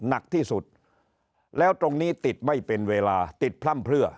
หนักที่สุดแล้วตรงนี้ติดไม่เป็นเวลาติดพร่ำเพลือ